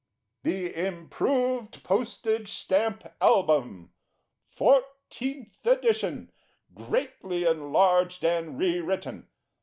THE Improved Postage Stamp Album. FOURTEENTH EDITION. GREATLY ENLARGED AND RE WRITTEN.